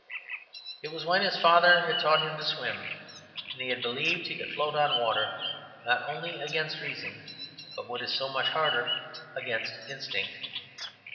It was n when his father had taught him to swim, and he had believed he could float on water not only against reason, but (what is so much harder) against instinct.